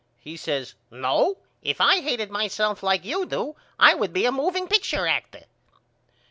He says No. If I hated myself like you do I would be a moveing picture actor.